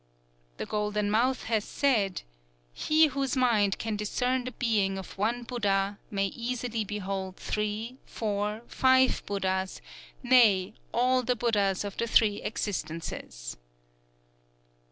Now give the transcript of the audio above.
'_" "_The Golden Mouth has said: 'He whose mind can discern the being of one Buddha, may easily behold three, four, five Buddhas, nay, all the Buddhas of the Three Existences.